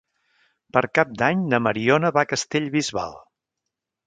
Per Cap d'Any na Mariona va a Castellbisbal.